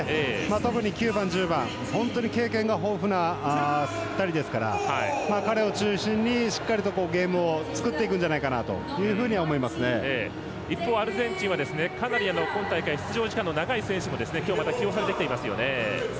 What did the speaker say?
特に９番、１０番、本当に経験が豊富な２人ですから彼を中心に、しっかりゲームを作っていくんじゃないかなと一方、アルゼンチンはかなり今大会出場時間の長い選手が今日起用されてきていますよね。